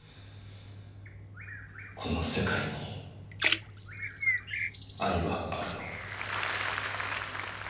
「この世界に愛はあるの？」。